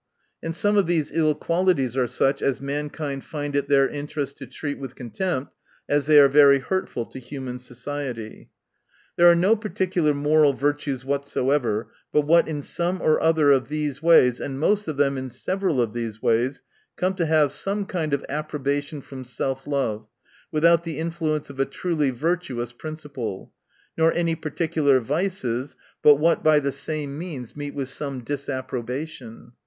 — And some of these ill qualities are such as mankind^ find it their interest to treat with contempt, as they are very hurtful to human society. There are no particular moral virtues whatsoever, but what in some or other of these ways, and most of them in several of these ways, come to have some kind of approbation from sehVlove, without the influence of a truly vir tuous principle ; nor any particular vices, but what by the same means meet with some disapprobation.